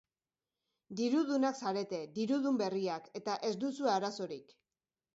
Dirudunak zarete, dirudun berriak, eta ez duzue arazorik.